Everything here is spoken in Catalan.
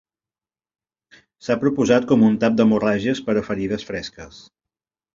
S'ha proposat com un tap d'hemorràgies per a ferides fresques.